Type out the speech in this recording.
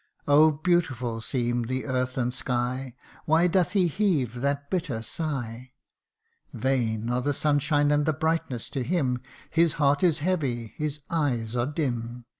Oh ! beautiful seem the earth and sky Why doth he heave that bitter sigh ? CANTO III. 75 Vain are the sunshine and brightness to him His heart is heavy, his eyes are dim.